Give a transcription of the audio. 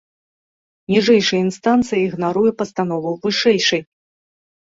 Ніжэйшая інстанцыя ігнаруе пастанову вышэйшай.